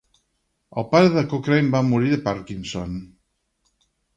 El pare de Cochrane va morir de Parkinson.